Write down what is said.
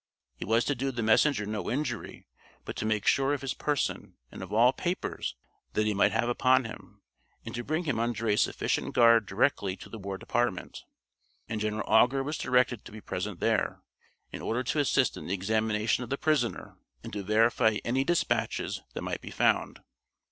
He was to do the messenger no injury, but to make sure of his person and of all papers that he might have upon him, and to bring him under a sufficient guard directly to the War Department. And General Augur was directed to be present there, in order to assist in the examination of the prisoner, and to verify any dispatches that might be found.